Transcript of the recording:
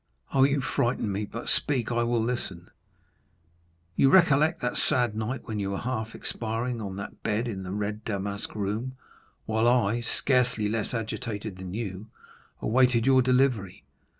"Oh, you frighten me! But speak; I will listen." "You recollect that sad night, when you were half expiring on that bed in the red damask room, while I, scarcely less agitated than you, awaited your delivery.